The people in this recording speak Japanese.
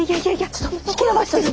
ちょっと引き延ばしといて。